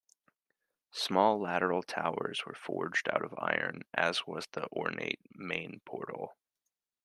Small lateral towers were forged out of iron, as was the ornate main portal.